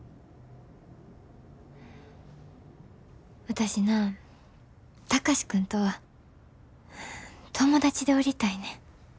私な貴司君とは友達でおりたいねん。